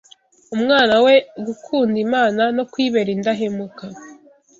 umwana we gukunda Imana no kuyibera indahemuka